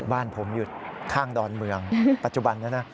บ้านผมอยู่ข้างดอนเมืองปัจจุบันนี้นะ